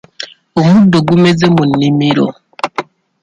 Omuddo gumeze mu nnimiro.